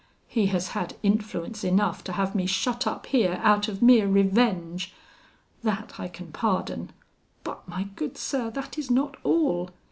He has had influence enough to have me shut up here, out of mere revenge. That I can pardon; but, my good sir, that is not all.